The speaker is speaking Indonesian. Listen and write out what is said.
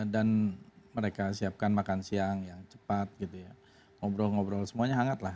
dan mereka siapkan makan siang yang cepat gitu ya ngobrol ngobrol semuanya hangat lah